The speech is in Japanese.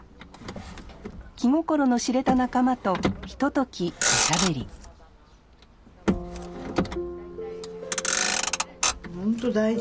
気心の知れた仲間とひとときおしゃべりほんと大事。